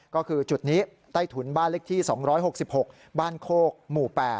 ก็คือจุดนี้ใต้ถุนบ้านเล็กที่๒๖๖บ้านโคกหมู่๘